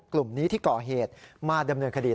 กลุ่มนี้ที่ก่อเหตุมาดำเนินคดี